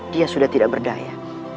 dia sudah tidak berdaya